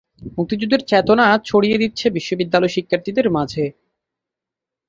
মুক্তিযুদ্ধের চেতনা ছড়িয়ে দিচ্ছে বিশ্ববিদ্যালয়ের শিক্ষার্থীদের মাঝে।